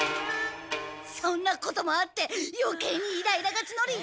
そんなこともあってよけいにイライラがつのり。